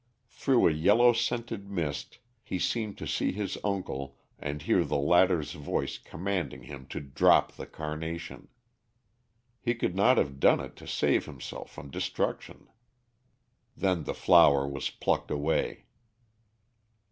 Through a yellow scented mist he seemed to see his uncle and hear the latter's voice commanding him to drop the carnation. He could not have done it to save himself from destruction. Then the flower was plucked away.